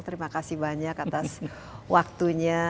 terima kasih banyak atas waktunya